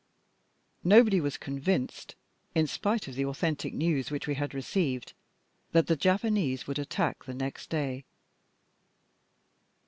Nobody was convinced in spite of the authentic news which we had received, that the Japanese would attack the next day.